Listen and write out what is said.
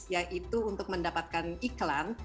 yaitu untuk mendapatkan iklan